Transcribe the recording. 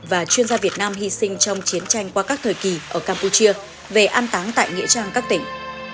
và chuyên gia việt nam hy sinh trong chiến tranh qua các thời kỳ ở campuchia về an táng tại nghĩa trang các tỉnh